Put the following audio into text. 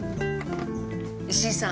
石井さん